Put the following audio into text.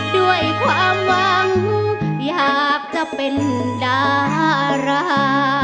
ด้วยความหวังอยากจะเป็นดารา